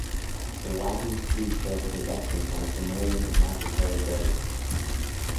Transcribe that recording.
The Wadden Sea serves as a resting point for millions of migratory birds.